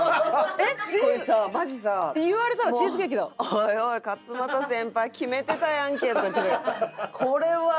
「おいおい勝俣先輩決めてたやんけ」とか言ってた。